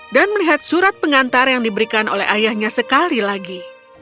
dan melihat surat pengantar yang diberikan oleh ayahnya sekali lagi